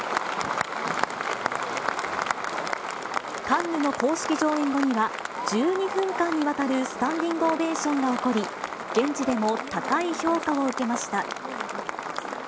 カンヌの公式上演後には、１２分間にわたるスタンディングオベーションが起こり、現地でも高い評価を受けました。